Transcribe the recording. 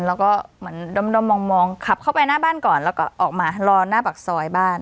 แล้วก็เหมือนด้อมมองขับเข้าไปหน้าบ้านก่อนแล้วก็ออกมารอหน้าปากซอยบ้าน